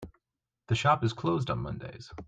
The shop is closed on Mondays.